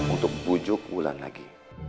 untuk bujuk ulan lagi